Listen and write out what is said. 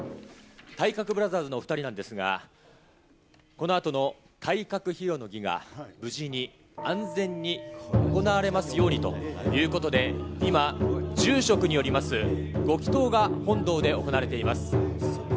体格ブラザーズのお２人なんですが、このあとの体格披露の儀が無事に安全に行われますようにということで、今、住職によりますご祈とうが本堂で行われています。